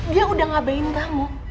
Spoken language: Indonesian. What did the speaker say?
dia udah ngabain kamu